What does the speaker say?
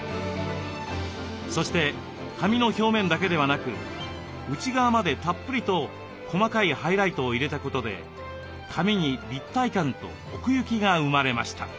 そして髪の表面だけでなく内側までたっぷりと細かいハイライトを入れたことで髪に立体感と奥行きが生まれました。